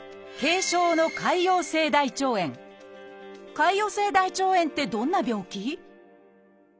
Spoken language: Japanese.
「潰瘍性大腸炎」ってどんな病気？